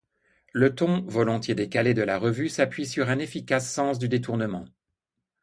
Le ton volontiers décalé de la revue s'appuie sur un efficace sens du détournement.